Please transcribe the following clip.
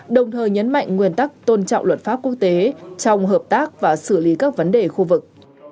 đồng thời nhấn mạnh nguyên tắc tôn trọng luật pháp quốc tế trong hợp tác và xử lý các vấn đề khu vực